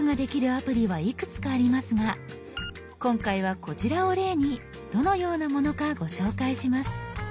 アプリはいくつかありますが今回はこちらを例にどのようなものかご紹介します。